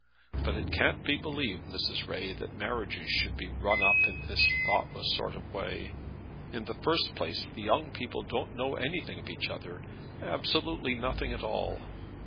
But it can't be believed, Mrs. Ray, that marriages should be run up in this thoughtless sort of way. In the first place the young people don't know anything of each other; absolutely nothing at all.